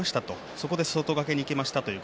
そこで外掛けにいってました。